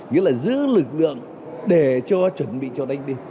nghĩa là giữ lực lượng để chuẩn bị cho đánh đêm